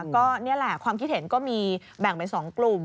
ก็นี่แหละความคิดเห็นก็มีแบ่งเป็น๒กลุ่ม